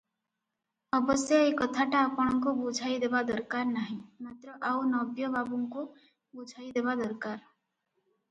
ଅବଶ୍ୟ ଏ କଥାଟା ଆପଣଙ୍କୁ ବୁଝାଇଦେବା ଦରକାର ନାହିଁ; ମାତ୍ର ଆଉ ନବ୍ୟ ବାବୁମାନଙ୍କୁ ବୁଝାଇଦେବା ଦରକାର ।